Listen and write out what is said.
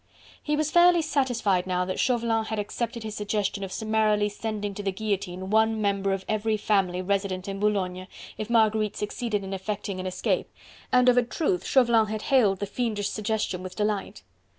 He was fairly satisfied now that Chauvelin had accepted his suggestion of summarily sending to the guillotine one member of every family resident in Boulogne, if Marguerite succeeded in effecting an escape, and, of a truth, Chauvelin had hailed the fiendish suggestion with delight.